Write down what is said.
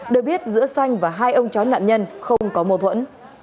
được biết giữa xanh và hai ông chó nạn nhân không có mâu thuẫn